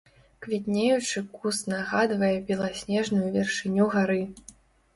Квітнеючы куст нагадвае беласнежную вяршыню гары.